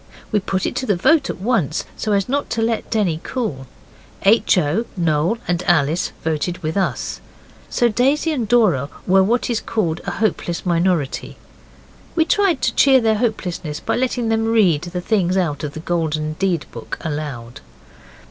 We put it to the vote at once, so as not to let Denny cool. H. O. and Noel and Alice voted with us, so Daisy and Dora were what is called a hopeless minority. We tried to cheer their hopelessness by letting them read the things out of the Golden Deed book aloud.